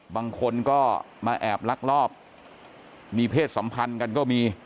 บางคนก็มาแอบลักลอบมีเพศสัมพันธ์กันก็มี